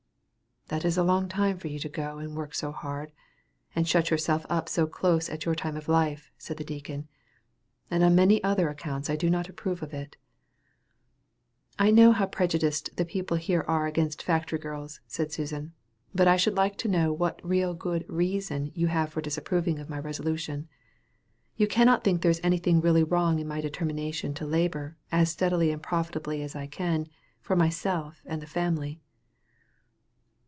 "That is a long time for you to go and work so hard, and shut yourself up so close at your time of life," said the deacon, "and on many other accounts I do not approve of it." "I know how prejudiced the people here are against factory girls," said Susan, "but I should like to know what real good reason you have for disapproving of my resolution. You cannot think there is anything really wrong in my determination to labor, as steadily and as profitably as I can, for myself and the family."